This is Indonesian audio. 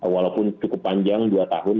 walaupun cukup panjang dua tahun